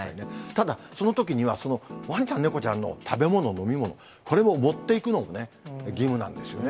ただ、そのときには、わんちゃん、猫ちゃんの食べ物、飲み物、これを持っていくのも義務なんですよね。